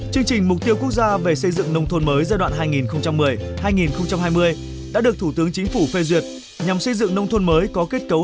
chương trình của chúng tôi ngày hôm nay